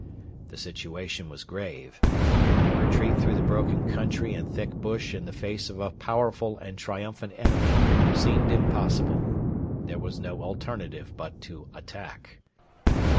The situation was grave. A retreat through the broken country and thick bush in the face of a powerful and triumphant enemy seemed impossible. There was no alternative but to attack.